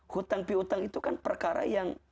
hutang pihutang itu kan perkara yang